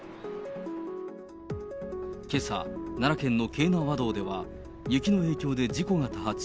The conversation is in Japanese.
けさ、奈良県の京奈和道では、雪の影響で事故が多発。